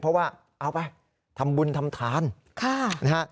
เพราะว่าเอาไปทำบุญทำทานนะฮะ